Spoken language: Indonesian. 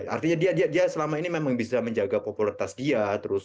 artinya dia selama ini memang bisa menjaga popularitas dia